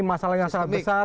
masalah yang sangat besar